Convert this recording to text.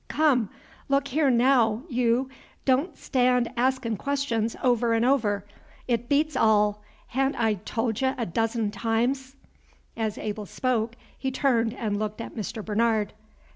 "Come, look here naow, yeou, don' Stan' askin' questions over 'n' over; 't beats all! ha'n't I tol' y' a dozen times?" As Abel spoke, he turned and looked at Mr. Bernard.